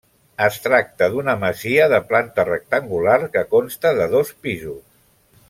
Es tracta d'una masia de planta rectangular que consta de dos pisos.